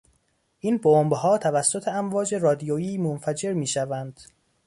این بمبها توسط امواج رادیویی منفجر میشوند.